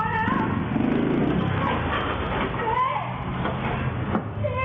พี่ขอโทษแล้วพี่